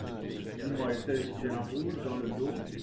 Dis-moi… étais-je bien rouge… dans le dos ?